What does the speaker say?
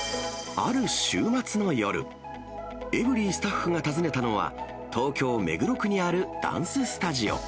ある週末の夜、エブリィスタッフが訪ねたのは、東京・目黒区にあるダンススタジオ。